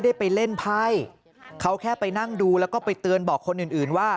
ได้ไปเล่นไพ่เขาแค่ไปนั่งดูแล้วก็ไปเตือนบอกคนอื่นอื่นว่า